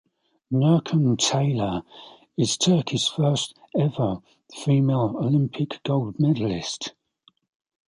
Nurcan Taylan is Turkey's first ever female Olympic gold medalist.